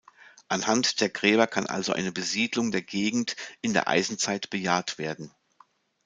Anhand der Gräber kann also eine Besiedelung der Gegend in der Eisenzeit bejaht werden.